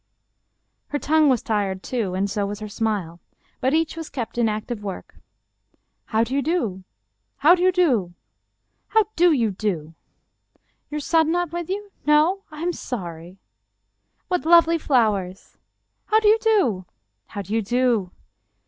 Her tongue was tired too and so was her smile, but eacH was kept in active work. " How do you do ?"" How do you do ?"" How do you do ?"" Your son not with you ? No ? I am sorry." " What lovely flowers !"" How do you do ?"" How do you do